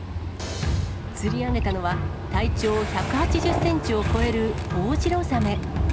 釣り上げたのは体長１８０センチを超えるホホジロザメ。